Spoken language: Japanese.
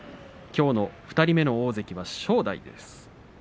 きょうの２人目の大関は正代です。